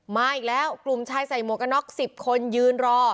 มาอีกแล้วกลุ่มชายใส่หมวกกันน็อก๑๐คนยืนรอ